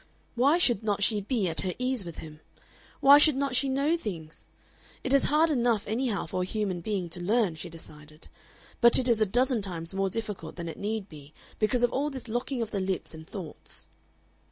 Why should not she be at her ease with him? Why should not she know things? It is hard enough anyhow for a human being to learn, she decided, but it is a dozen times more difficult than it need be because of all this locking of the lips and thoughts.